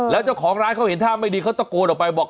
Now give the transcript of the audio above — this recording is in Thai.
แล้วเจ้าของร้านเขาเห็นท่าไม่ดีเขาตะโกนออกไปบอก